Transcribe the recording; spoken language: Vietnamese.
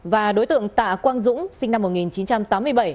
và đối tượng tạ quang dũng sinh năm một nghìn chín trăm tám mươi bảy